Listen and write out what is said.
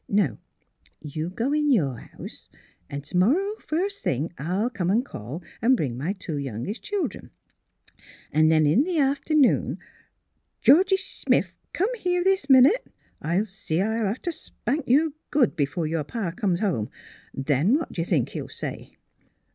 ... Now, you go in your house, an' to morrow first thing I'll come and call an' bring my two youngest children; an' then in the afternoon Georgie Smith ! come here this minute ! I see I'll have to spank you good, before your pa comes home. Then what do you think he'll say?